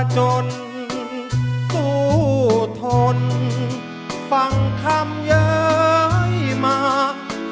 จนสู้ทนฟังคำเยอะมาก